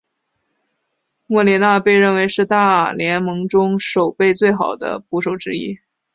莫里纳被认为是大联盟中守备最好的捕手之一。